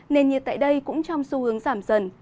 nền nhiệt tại đây cũng trong xu hướng giảm dần